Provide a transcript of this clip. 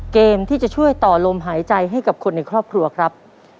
เกมที่จะช่วยต่อลมหายใจให้กับคนในครอบครัวครับ